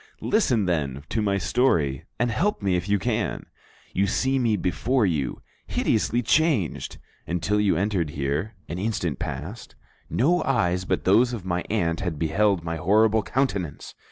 Listen, then, to my story and help me if you can. "You see me before you, hideously changed. Until you entered here, an instant past, no eyes but those of my aunt had beheld my horrible countenance.